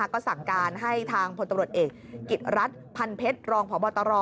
ก็สั่งการให้ทางพลตำรวจเอกกิจรัฐพันเพชรรองพบตร